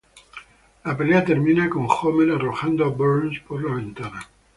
La pelea termina con Homer arrojando a Burns por la ventana.